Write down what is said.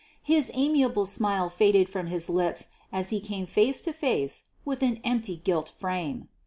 His amiable smile faded from his lips as he came face to face with an empty gilt frame.